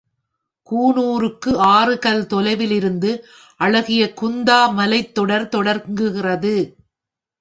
கூனூருக்கு ஆறு கல் தொலைவிலிருந்து அழகிய குந்தா மலைத்தொடர் தொடங்குகிறது.